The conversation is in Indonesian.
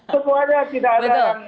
semuanya tidak ada yang